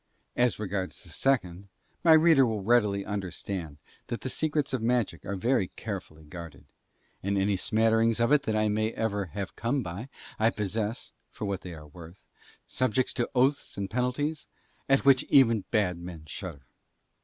As regards the second, my reader will readily understand that the secrets of magic are very carefully guarded, and any smatterings of it that I may ever have come by I possess, for what they are worth, subjects to oaths and penalties at which even bad men shudder.